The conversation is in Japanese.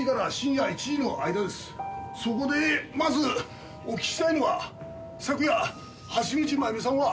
そこでまずお聞きしたいのは昨夜橋口まゆみさんは？